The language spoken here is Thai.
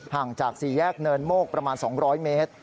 ห่างจากสี่แยกเนินโมกประมาณ๒๐๐เมตร